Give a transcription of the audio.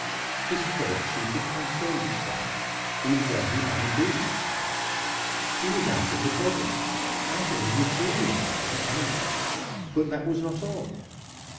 His thought chiefly concerned itself with where he might be. He was out of the body out of his material body, at any rate but that was not all.